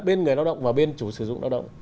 bên người lao động và bên chủ sử dụng lao động